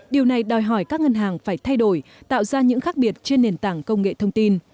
điều này đòi hỏi các ngân hàng phải thay đổi tạo ra những khác biệt trên nền tảng công nghệ thông tin